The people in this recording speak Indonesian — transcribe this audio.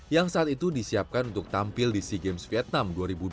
yang saat itu disiapkan untuk tampil di sea games vietnam dua ribu dua puluh